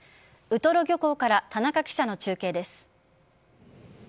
ウトロ漁港から田中記者の中継です。